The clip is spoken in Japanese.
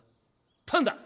パンダ！